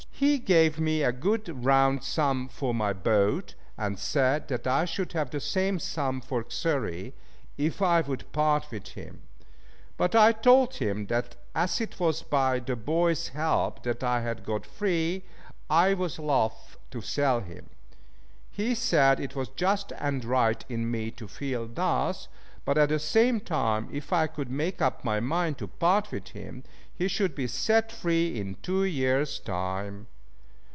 He gave me a good round sum for my boat, and said that I should have the same sum for Xury, if I would part with him. But I told him that as it was by the boy's help that I had got free, I was loath to sell him. He said it was just and right in me to feel thus, but at the same time, if I could make up my mind to part with him, he should be set free in two years' time.